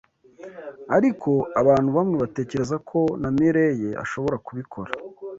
Ariko, abantu bamwe batekereza ko na Mirelle ashobora kubikora.